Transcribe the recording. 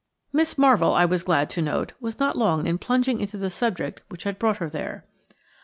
Miss Marvell, I was glad to note, was not long in plunging into the subject which had brought her here.